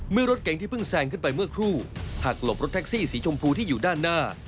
รถเก๋งที่เพิ่งแซงขึ้นไปเมื่อครู่หักหลบรถแท็กซี่สีชมพูที่อยู่ด้านหน้า